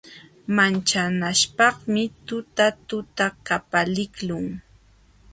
Manchanaśhpaqmi tutatuta qapaliqlun.